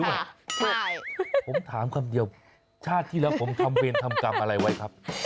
ไม่ผมถามคำเดียวชาติที่แล้วผมทำเวรทำกรรมอะไรไว้ครับ